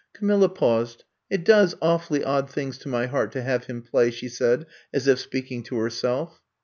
Camilla paused. "It does awfully odd things to my heart to have him play," she said as if speaking to herself.